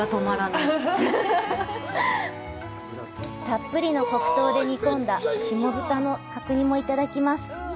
たっぷりの黒糖で煮込んだ島豚の角煮もいただきます！